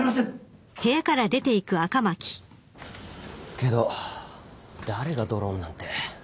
けど誰がドローンなんて。